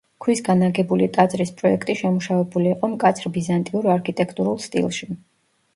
ქვისგან აგებული ტაძრის პროექტი შემუშავებული იყო მკაცრ ბიზანტიურ არქიტექტურულ სტილში.